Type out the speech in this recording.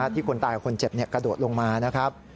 คนตายกับคนเจ็บกระโดดลงมานะครับ